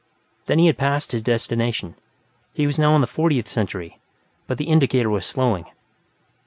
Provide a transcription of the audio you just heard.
Then he had passed his destination; he was now in the Fortieth Century, but the indicator was slowing.